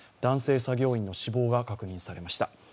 男性作業員の死亡が確認されました。